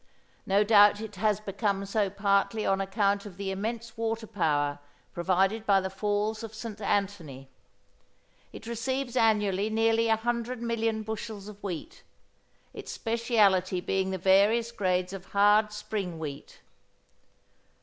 No doubt it has become so partly on account of the immense water power provided by the Falls of St Antony. It receives annually nearly 100 million bushels of wheat, its speciality being the various grades of hard spring wheat.